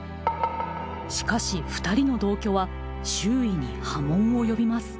しかしふたりの同居は周囲に波紋を呼びます。